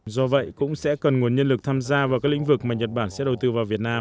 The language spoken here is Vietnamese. do vậy cũng sẽ cần nguồn nhân lực tham gia vào các lĩnh vực mà nhật bản sẽ đầu tư vào việt nam